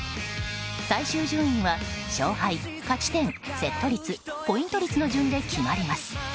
最終順位は勝敗、勝ち点セット率、ポイント率の順で決まります。